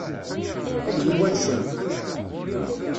Ad iyi-wansent?